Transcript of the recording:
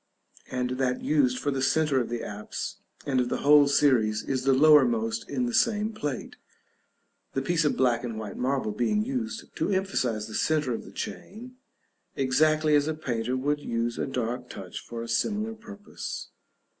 and that used for the centre of the apse, and of the whole series, is the lowermost in the same plate; the piece of black and white marble being used to emphasize the centre of the chain, exactly as a painter would use a dark touch for a similar purpose.